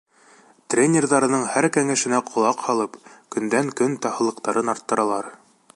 Тренерҙарының һәр кәңәшенә ҡолаҡ һалып, көндән-көн таһыллыҡтарын арттыралар.